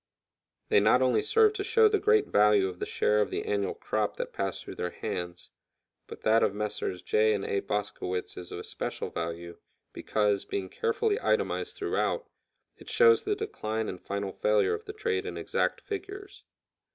They not only serve to show the great value of the share of the annual crop that passed through their hands, but that of Messrs. J. & A. Boskowitz is of especial value, because, being carefully itemized throughout, it shows the decline and final failure of the trade in exact figures.